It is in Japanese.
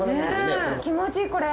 気持ちいいこれ。